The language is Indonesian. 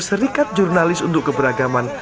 serikat jurnalis untuk keberagaman